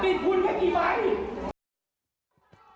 ผมเร่งติดคุณกันเดียวกี่บ่าย